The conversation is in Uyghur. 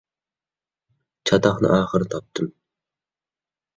چاتاقنى ئاخىرى تاپتىم.